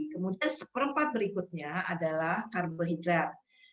kemudian seperempat berikutnya adalah karbohidrat